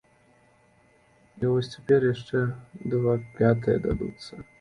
І вось цяпер яшчэ два пятыя дадуцца.